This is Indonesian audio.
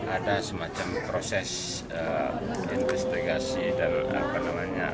ada semacam proses investigasi dan apa namanya